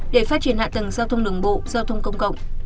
để phát triển hạ tầng giao thông đường bộ giao thông công cộng